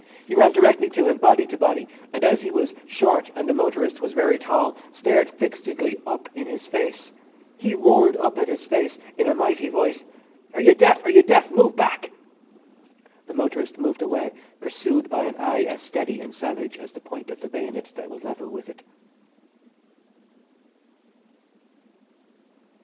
He ran directly to him, body to body, and, as he was short and the motorist was very tall, stared fixedly up in his face. He roared up at his face in a mighty voice. "Are you deaf? Are you deaf? Move back!" The motorist moved away, pursued by an eye as steady and savage as the point of the bayonet that was level with it.